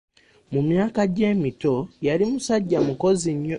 Mu myaka gye emito yali musajja mukozi nnyo.